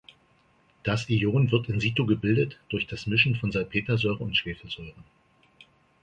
Das Ion wird in situ gebildet, durch das Mischen von Salpetersäure und Schwefelsäure.